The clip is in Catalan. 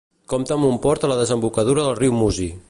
Compta amb un port a la desembocadura del riu Musi.